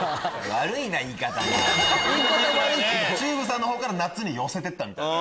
ＴＵＢＥさんのほうから夏に寄せてったみたいな。